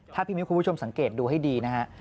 ถ้าพี่มิ้วคุณผู้ชมสังเกตดูให้ดีนะฮะ